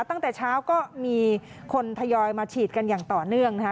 ตั้งแต่เช้าก็มีคนทยอยมาฉีดกันอย่างต่อเนื่องนะคะ